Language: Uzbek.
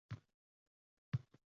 Faqat xayol shunday imkonga ega